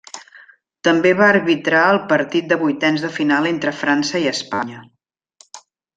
També va arbitrar el partit de vuitens de final entre França i Espanya.